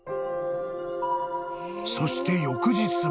［そして翌日も］